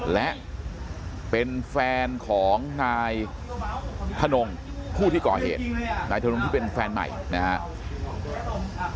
และเป็นแฟนของนายธนงผู้ที่ก่อเหตุนายทนงที่เป็นแฟนใหม่นะครับ